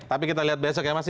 tapi kita lihat besok ya mas ya